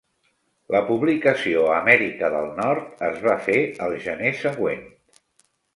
La publicació a Amèrica del Nord es va fer el gener següent.